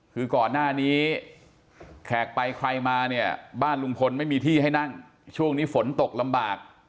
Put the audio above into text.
คือก่อนหน้านี้แขกไปใครมาเนี่ยบ้านลุงพลไม่มีที่ให้นั่งช่วงนี้ฝนตกลำบาก